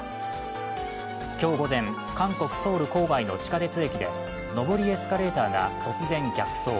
今日午前、韓国・ソウル郊外の地下鉄駅で上りエスカレーターが突然、逆走。